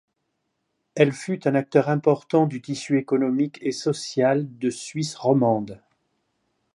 Elle fut un acteur important du tissu économique et social de Suisse romande.